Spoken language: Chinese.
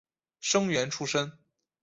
生员出身。